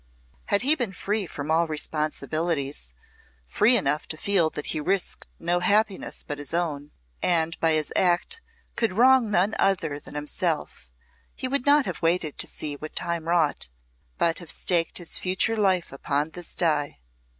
Had he been free from all responsibilities, free enough to feel that he risked no happiness but his own, and by his act could wrong none other than himself, he would not have waited to see what time wrought but have staked his future life upon this die.